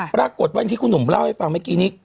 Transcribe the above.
ปรากฏว่าอย่างที่คุณหนุ่มเล่าให้ฟังเมื่อกี้นี้